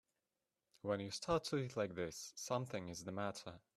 When you start to eat like this something is the matter.